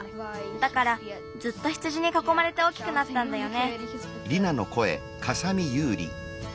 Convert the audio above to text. だからずっと羊にかこまれて大きくなったんだよね。